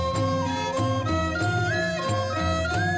จริง